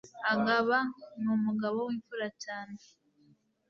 Agaba ni umugabo w’imfura cyane